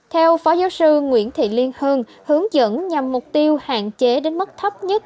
theo phó giáo sư nguyễn thị liên hương hướng dẫn nhằm mục tiêu hạn chế đến mức thấp nhất